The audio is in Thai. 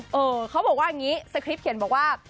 เออเขาบอกว่าอย่างนี้สคริปเขียนบอกว่า